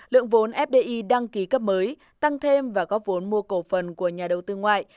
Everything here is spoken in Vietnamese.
lượng vốn fdi đăng ký cấp mới tăng thêm và góp vốn mua cổ phần của nhà đầu tư ngoại